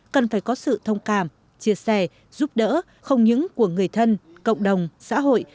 cần phải có sự thông cảm chia sẻ giúp đỡ không những của người thân cộng đồng xã hội